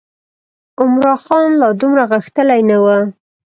عمرا خان لا دومره غښتلی نه و.